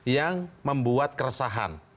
yang membuat keresahan